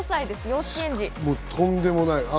とんでもない。